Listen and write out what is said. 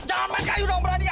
jangan main kayu dong berani ya